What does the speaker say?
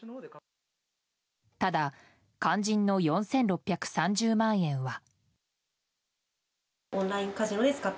ただ、肝心の４６３０万円は。